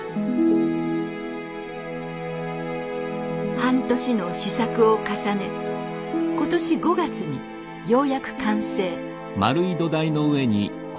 半年の試作を重ね今年５月にようやく完成。